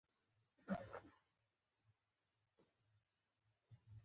ته ډارېږې مګر زه نه غواړم تا کوم کار ته اړ کړم.